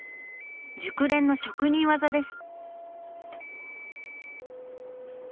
熟練の職人技です。